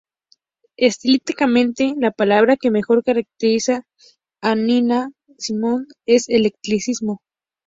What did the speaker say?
Estilísticamente, la palabra que mejor caracteriza a Nina Simone es "eclecticismo".